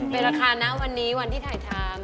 เป็นราคานะวันนี้วันที่ถ่ายทำ